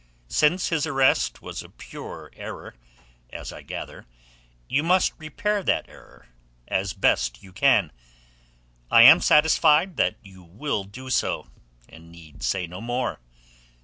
Since his arrest was a pure error, as I gather, you must repair that error as best you can. I am satisfied that you will do so, and need say no more.